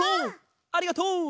ありがとう！